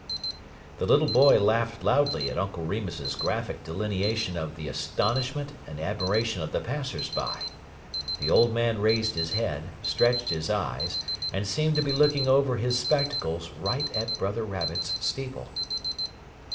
'" The little boy laughed loudly at Uncle Remus's graphic delineation of the astonishment and admiration of the passers by. The old man raised his head, stretched his eyes, and seemed to be looking over his spectacles right at Brother Rabbit's steeple.